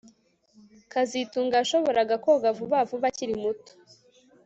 kazitunga yashoboraga koga vuba vuba akiri muto